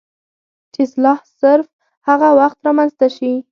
چې اصلاح صرف هغه وخت رامنځته کيږي